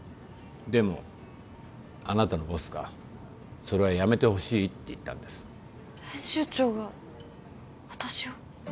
でもあなたのボスがそれはやめてほしいって言ったんです編集長が私を？